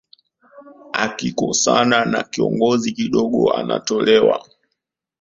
akikosana na kiongozi kidogo anatolewa